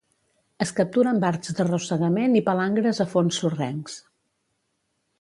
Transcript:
Es captura amb arts d'arrossegament i palangres a fons sorrencs.